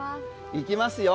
いきますよ。